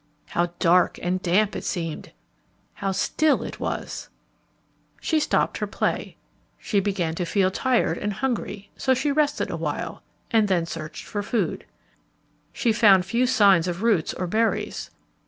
How dark and damp it seemed! How still it was! She stopped her play. She began to feel tired and hungry; so she rested a while, and then searched for food. She found few signs of roots or berries.